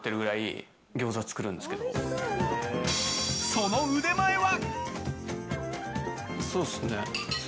その腕前は？